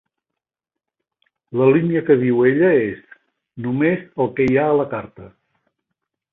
La línia que diu ella és: "Només el que hi ha a la carta".